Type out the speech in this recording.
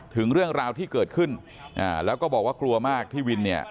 ถึงเรื่องราวที่เกิดขึ้นแล้วก็บอกว่ากลัวมากที่วินเนี่ย